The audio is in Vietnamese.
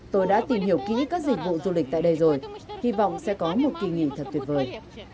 tôi đã tìm hiểu kỹ các dịch vụ du lịch tại đây rồi hy vọng sẽ có một kỳ nghỉ thật tuyệt vời